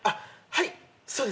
はい。